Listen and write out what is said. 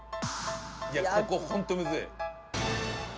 いやここホントむずい。